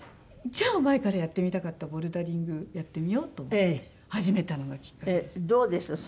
じゃあ前からやってみたかったボルダリングやってみようと思って始めたのがきっかけです。